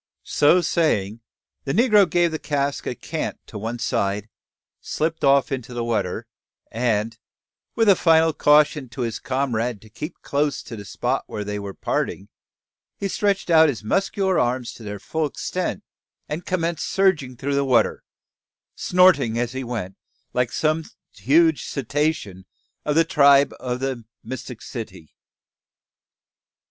So saying, the negro gave the cask a "cant" to one side, slipped off into the water; and, with a final caution to his comrade to keep close to the spot where they were parting, he stretched out his muscular arms to their full extent, and commenced surging through the water, snorting as he went like some huge cetacean of the tribe of the Mysticeti. CHAPTER FORTY.